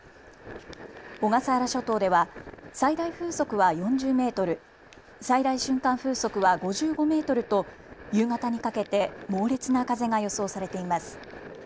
小笠原諸島では最大風速は４０メートル、最大瞬間風速は５５メートルと夕方にかけて猛烈な風が予想されています。